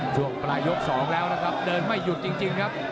ช่วงปลายยก๒แล้วนะครับเดินไม่หยุดจริงครับ